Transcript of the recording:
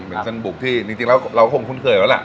เป็นเส้นบุกที่จริงแล้วเราคงคุ้นเคยแล้วล่ะ